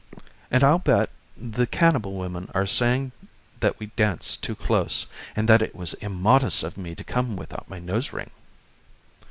"And I'll bet the cannibal women are saying that we dance too close, and that it was immodest of me to come without my nose ring."